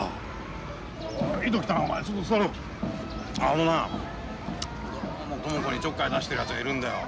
あのな朋子にちょっかい出してるやつがいるんだよ。